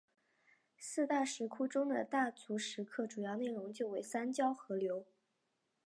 四大石窟中的大足石刻主要内容就为三教合流。